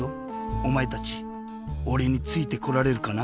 おまえたちおれについてこられるかな？